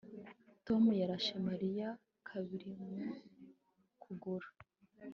Tom yarashe Mariya kabiri mu kuguru